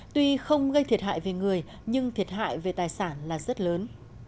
tuy không gây thiệt hại về người nhưng thiệt hại về tài sản là rất lớn